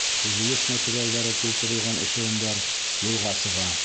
Төҙөлөш материалдары тултырылған эшелондар юлға сыға.